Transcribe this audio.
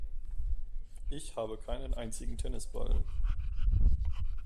Ich habe keinen einzigen Tennisball.